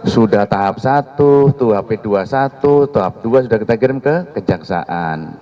sudah tahap satu tap dua tap dua sudah kita kirim ke kejaksaan